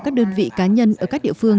các đơn vị cá nhân ở các địa phương